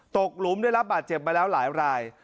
หลุมได้รับบาดเจ็บมาแล้วหลายราย